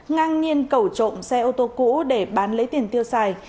ngang nhiên cẩu trộm xe ô tô cũ để bán lấy tiền tiêu xài